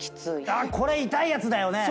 これ痛いやつだよね。